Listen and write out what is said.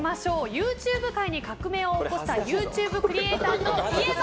ＹｏｕＴｕｂｅ界に革命を起こしたＹｏｕＴｕｂｅクリエーターといえば？